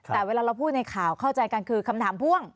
แต่เวลาเราพูดในข่าวเข้าใจกันคือคำถามพ่วง